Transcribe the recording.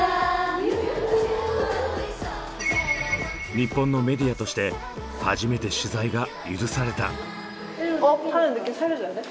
日本のメディアとして初めて取材が許された。